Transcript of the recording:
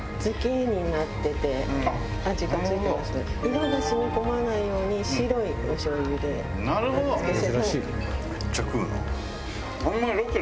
色が染み込まないように白いお醤油で漬けて。